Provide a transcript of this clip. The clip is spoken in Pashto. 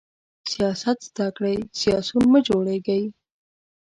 سیاست زده کړئ، سیاسیون مه جوړیږئ!